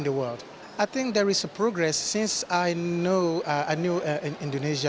saya pikir ada kemajuan dari masa yang saya ketahuin indonesia